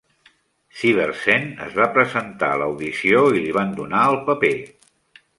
Siversen es va presentar a l'audició i li van donar el paper.